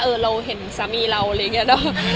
เออเราเห็นสามีเราอะไรอย่างนี้